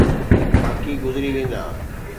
باقي گذري ويندا.